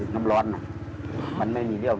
อ่อนหมดเลย